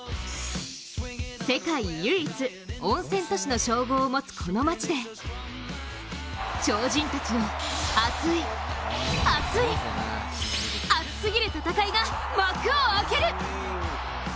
世界唯一、温泉都市の称号を持つこの街で超人たちの熱い、熱い、熱すぎる戦いが幕を開ける！